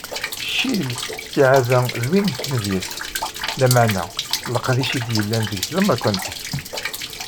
Ccil ttiεad-a d win n tmedyazt, lameεna leqdic i d-yellan deg-s d ameṛkanti.